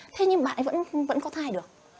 thế nhưng bạn ấy vẫn vẫn có thai được